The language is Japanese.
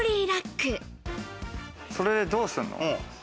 それでどうすんの？